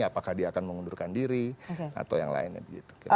apakah dia akan mengundurkan diri atau yang lainnya gitu